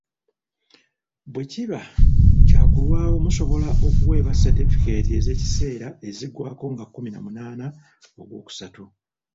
Bwekiba kyakulwawo musobola okuweebwa Ssatifeeketi ez'ekiseera eziggwako nga kkumi na munaana ogwookusatu.